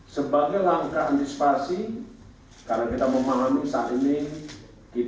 sebagai langkah antisipasi karena kita memahami saat ini kita masih prihatin dengan covid sembilan belas